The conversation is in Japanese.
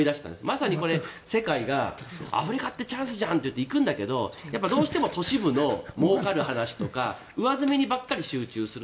まさに世界がアフリカってチャンスじゃんと言って行くんだけど、どうしても都市部の儲かる話とか上澄みにばかり集中する。